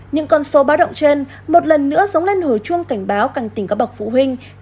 những con số báo động trên một lần nữa sống lên hồi chuông cảnh báo cảnh tỉnh có bậc phụ huynh